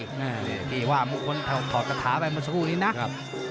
ดีว่ามุมคนถอดกระถาไปมาสักครู่นี้นะ